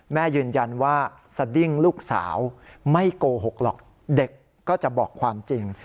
แม่ยืนยันว่าสดิ้งลูกสาวไม่โกหกหรอกเด็กก็จะบอกความจริง